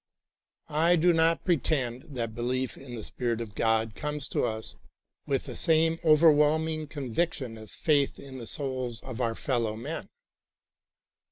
I do not pretend that belief in the spirit of God comes to us with the same overwhelming conviction as faith in the souls of our fellow men.